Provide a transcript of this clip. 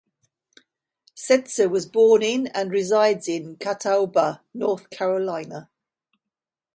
Setzer was born in and resides in Catawba, North Carolina.